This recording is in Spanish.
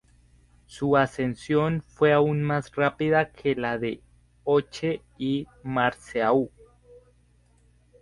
Su ascensión fue aún más rápida que la de Hoche y Marceau.